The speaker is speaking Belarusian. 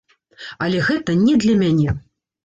Але гэта не для мяне!